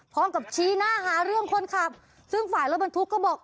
ชี้หน้าหาเรื่องคนขับซึ่งฝ่ายรถบรรทุกก็บอก